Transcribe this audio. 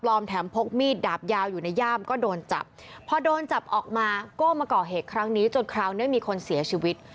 ออกมาก้อมาก่อเหตุครั้งนี้จนคราวนี้มีคนเสียชีวิต